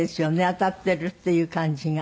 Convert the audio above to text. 当たってるっていう感じが。